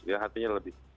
dia hatinya lebih